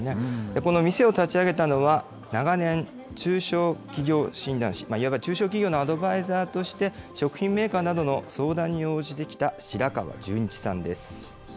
この店を立ち上げたのは、長年、中小企業診断士、いわば中小企業のアドバイザーとして、食品メーカーなどの相談に応じてきた白川淳一さんです。